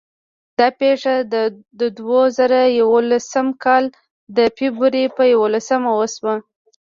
دا پېښه د دوه زره یولسم کال د فبرورۍ په یوولسمه وشوه.